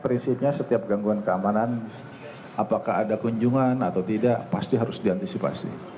prinsipnya setiap gangguan keamanan apakah ada kunjungan atau tidak pasti harus diantisipasi